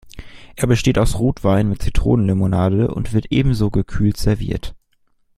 Er besteht aus Rotwein mit Zitronenlimonade und wird ebenso gekühlt serviert.